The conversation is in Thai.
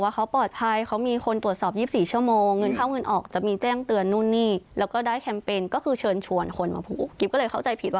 ว่าเขาปลอดภัยเขามีคนตรวจสอบ๒๔ชั่วโมงเงินเข้าเงินออก